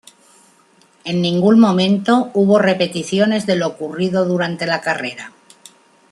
En ningún momento hubo repeticiones de lo ocurrido durante la carrera.